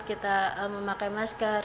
kita memakai masker